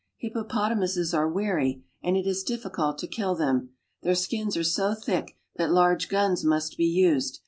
Hippopotamuses are wary, and it is difficult to kill them. | f'Their skins are so thick that large guns must be used.